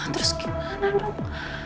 terus gimana dong